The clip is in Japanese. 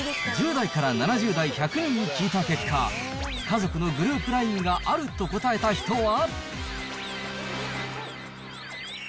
１０代から７０代１００人に聞いた結果、家族のグループＬＩＮＥがあると答えた人は。